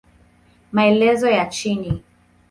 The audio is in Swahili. Maelezo ya chini